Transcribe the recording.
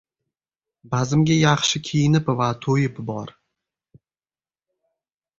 • Bazmga yaxshi kiyinib va to‘yib bor.